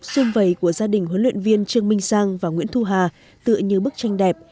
xương vầy của gia đình huấn luyện viên trương minh sang và nguyễn thu hà tựa như bức tranh đẹp